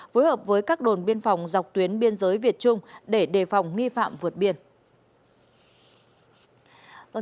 phối hợp với các đồn biên phòng dọc tuyến biên giới việt trung để đề phòng nghi phạm vượt biển